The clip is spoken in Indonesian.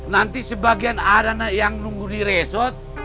nanti sebagian ada yang nunggu di resort